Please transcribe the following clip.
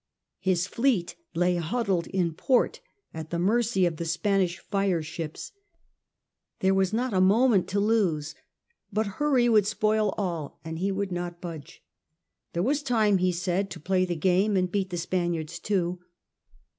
His fleet lay huddled in port, at the mercy of the Spanish fireships : there was not a moment to lose ; but hurry would spoil all, and he would not budge. There was time, he said, to play the game and beat the Spaniards too.